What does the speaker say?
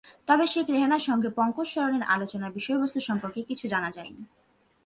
তবে শেখ রেহানার সঙ্গে পঙ্কজ শরণে আলোচনার বিষয়বস্তু সম্পর্কে কিছু জানা যায়নি।